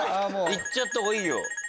いっちゃった方がいい。